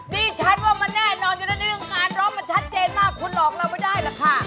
ดิฉันว่ามันแน่นอนอยู่แล้วเรื่องงานร้องมันชัดเจนมากคุณหลอกเราไม่ได้หรอกค่ะ